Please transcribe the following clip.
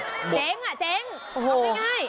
เจ๊งเอาไง